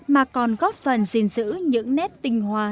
mà còn góp phần gìn giữ những nét tinh hoa